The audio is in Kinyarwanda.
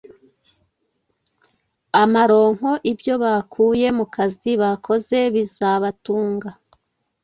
Amaronko: Ibyo bakuye mu kazi bakoze bizabatunga.